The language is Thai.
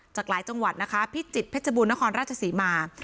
จากหลายจังหวัดนะคะพิจิตรเพชรบูรณครราชศรีมา